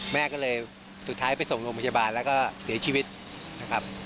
แม่ก็เลยสุดท้ายไปส่งโรงพยาบาลแล้วก็เสียชีวิตนะครับ